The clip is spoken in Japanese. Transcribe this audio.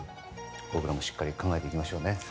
僕らもしっかり考えていきましょうね。